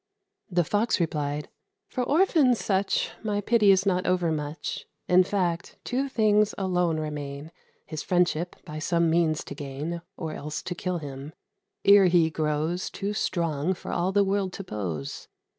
The Fox replied, "For orphans such My pity is not over much. In fact, two things alone remain, His friendship by some means to gain, Or else to kill him, ere he grows Too strong for all the world t' oppose.